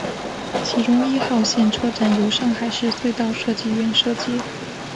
其中一号线车站由上海市隧道设计院设计。